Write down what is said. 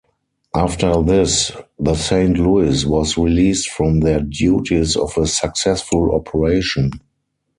After this, the Saint Louis was released from their duties of a successful operation.